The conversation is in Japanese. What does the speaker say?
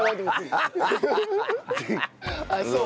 あっそう。